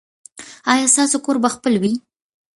ایا ستاسو کور به خپل وي؟